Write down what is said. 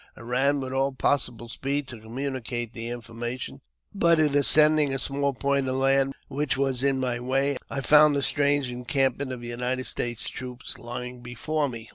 I ran vv^ith all possible speed to communicate the information; but, in ascend ing a small point of land which was in my way, I found a strange encampment of United States troops lying before me.